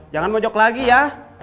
jangan mojok lagi ya